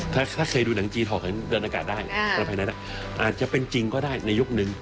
ถ้าเคยดูหนังจีนหอกเดินอากาศได้ประภัยนั้นอาจจะเป็นจริงก็ได้ในยุคนึง